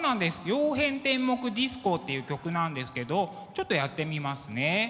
「曜変天目ディスコ」っていう曲なんですけどちょっとやってみますね。